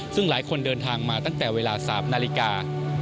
ซึ่งหลายคนเดินทางมาตั้งแต่เวลา๓นาฬิกา